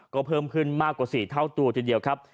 ก็เพิ่มขึ้นมากกว่า๔เท่าตัวทีเดียวครับ